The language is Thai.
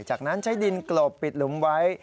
จากนั้นใช้ดินกลบปิดหลุมไว้